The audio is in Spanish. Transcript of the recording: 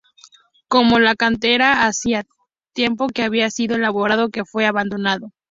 Como la cantera hacía tiempo que había sido elaborado, que fue abandonado.